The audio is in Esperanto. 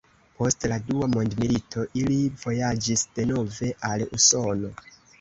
Post la unua mondmilito ili vojaĝis denove al Usono.